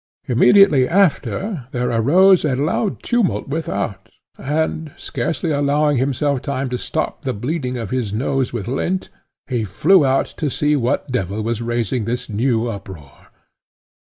Immediately after there arose a loud tumult without, and, scarcely allowing himself time to stop the bleeding of his nose with lint, he flew out to see what devil was raising this new uproar.